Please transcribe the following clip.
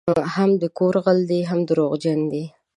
هم د کور غل دی هم دروغجن دی